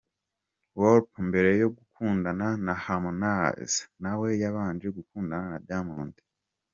Wolper mbere yo gukundana na Harmonizer nawe yabanje gukundana na Diamond.